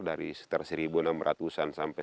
dari satu enam ratus an sampai satu